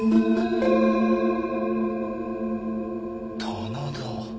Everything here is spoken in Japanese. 棚田。